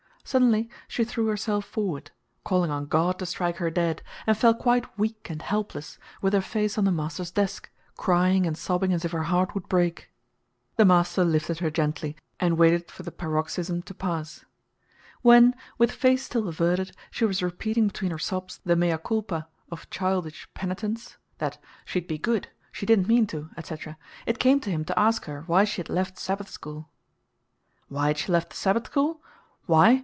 Suddenly she threw herself forward, calling on God to strike her dead, and fell quite weak and helpless, with her face on the master's desk, crying and sobbing as if her heart would break. The master lifted her gently and waited for the paroxysm to pass. When, with face still averted, she was repeating between her sobs the MEA CULPA of childish penitence that "she'd be good, she didn't mean to," etc., it came to him to ask her why she had left Sabbath school. Why had she left the Sabbath school? why?